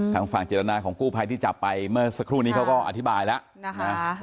ทางฝั่งเจตนาของกู้ภัยที่จับไปเมื่อสักครู่นี้เขาก็อธิบายแล้วนะคะ